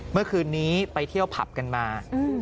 เมื่อคืนนี้ไปเที่ยวผับกันมา